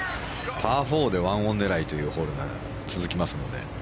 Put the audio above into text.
パー４で１オン狙いというホールが続きますので。